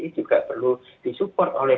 ini juga perlu disupport oleh